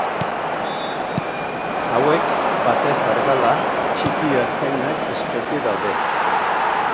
Hauek, batez argala, txiki ertainak espezie daude.